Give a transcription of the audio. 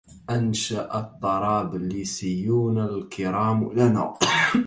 أنشا الطرابلسيون الكرام لنا